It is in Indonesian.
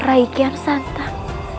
rai kian santan